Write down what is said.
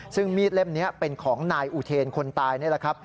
ซึ่งมีดเล่มนี้เป็นของนายอุเทนคนตายนี่แหละครับ